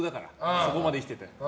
そこまで生きてきて。